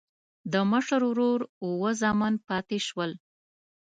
د مشر ورور اووه زامن پاتې شول.